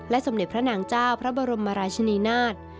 สมเด็จพระนางเจ้าพระบรมราชนีนาฏ